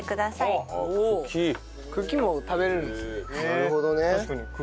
なるほどね。